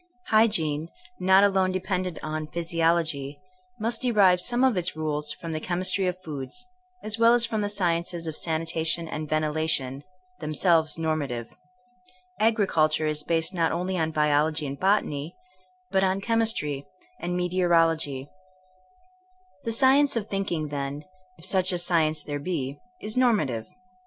Hygiene, not alone dependent on physiology, must derive some of its rules from the chemistry of foods, as well as from the sci ences of sanitation and ventilation, themselves normative. Agriculture is based not only on biology and botany, but on chemistry and me teorology. THINKINO A8 A 80IEN0E 9 The science of thinkiiig, then, if such a sci ence there be, is normative.